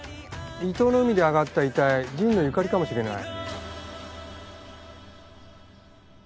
伊東の海で上がった遺体神野由香里かもしれない。